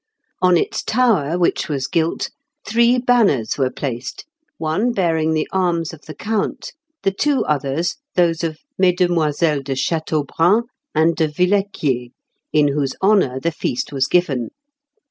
On its tower, which was gilt, three banners were placed, one bearing the arms of the count, the two others those of Mesdemoiselles de Châteaubrun and de Villequier, in whose honour the feast was given.